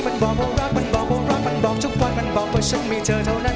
มันบอกว่าฉันมีเธอเท่านั้น